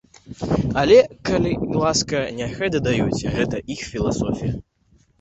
Але, калі ласка, няхай дадаюць, гэта іх філасофія.